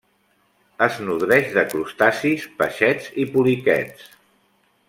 Es nodreix de crustacis, peixets i poliquets.